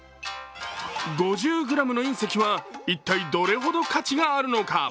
５０ｇの隕石は、一体どれほど価値があるのか。